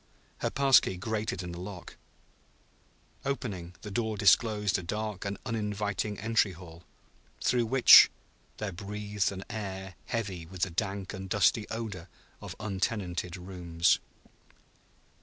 Her pass key grated in the lock. Opening, the door disclosed a dark and uninviting entry hall, through which there breathed an air heavy with the dank and dusty odor of untenanted rooms.